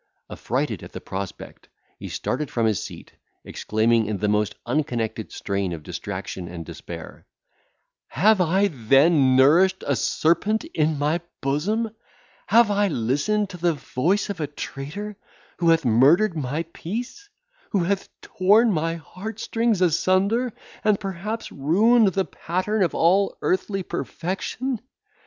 Affrighted at the prospect, he started from his seat, exclaiming, in the most unconnected strain of distraction and despair, "Have I then nourished a serpent in my bosom! Have I listened to the voice of a traitor, who hath murdered my peace! who hath torn my heart strings asunder, and perhaps ruined the pattern of all earthly perfection.